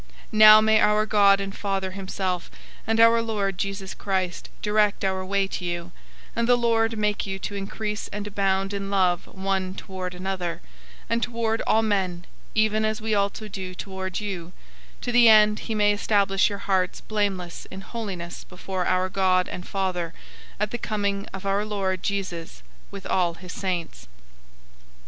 003:011 Now may our God and Father himself, and our Lord Jesus Christ, direct our way to you; 003:012 and the Lord make you to increase and abound in love one toward another, and toward all men, even as we also do toward you, 003:013 to the end he may establish your hearts blameless in holiness before our God and Father, at the coming of our Lord Jesus with all his saints.